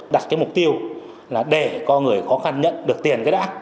đặt cái mục tiêu là để có người khó khăn nhận được tiền cái đã